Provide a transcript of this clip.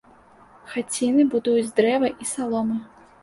Хаціны будуюць з дрэва і саломы.